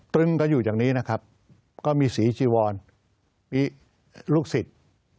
ตึงเขาอยู่จากนี้นะครับก็มีศรีจีวรลูกศิษย์